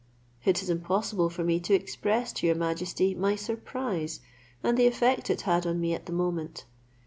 It is impossible for me to express to your majesty my surprise and the effect it had on me at the moment.